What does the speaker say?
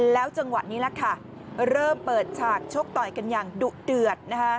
แล้วจังหวะนี้แหละค่ะเริ่มเปิดฉากชกต่อยกันอย่างดุเดือด